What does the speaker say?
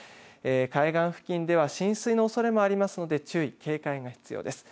海岸付近では浸水のおそれもありますので注意警戒が必要です。